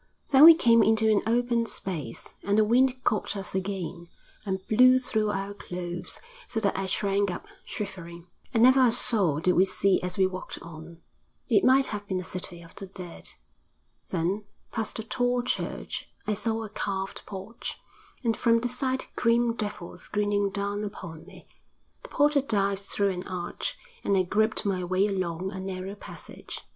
Then we came into an open space, and the wind caught us again, and blew through our clothes, so that I shrank up, shivering. And never a soul did we see as we walked on; it might have been a city of the dead. Then past a tall church: I saw a carved porch, and from the side grim devils grinning down upon me; the porter dived through an arch, and I groped my way along a narrow passage.